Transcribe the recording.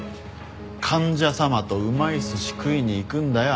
患者様とうまい寿司食いに行くんだよ